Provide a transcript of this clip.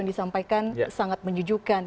yang disampaikan sangat menjujukan